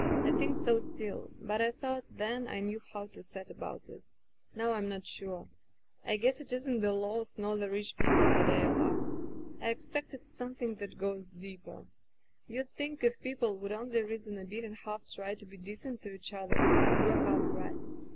I think so still, but I thought then I knew how to set about it. Now Fm not Digitized by LjOOQ IC Martha sure. I guess it isn't the laws nor the rich people that ails us. I expect it*s something that goes deeper. You'd think if people would only reason a bit and half try to be decent to each other it would work out right.